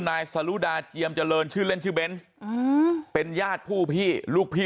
นายสรุดาเจียมเจริญชื่อเล่นชื่อเบนส์เป็นญาติผู้พี่ลูกพี่